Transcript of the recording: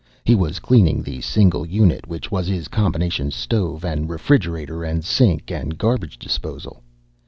He was cleaning the single unit which was his combination stove and refrigerator and sink and garbage disposal.